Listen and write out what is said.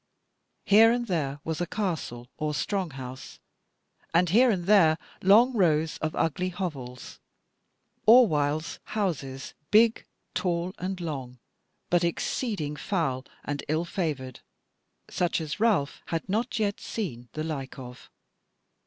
Here and there was a castle or strong house, and here and there long rows of ugly hovels, or whiles houses, big tall and long, but exceeding foul and ill favoured, such as Ralph had not yet seen the like of.